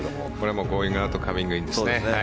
ゴーイングアウトカミングインですね。